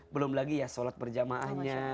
belum lagi ya sholat berjamaahnya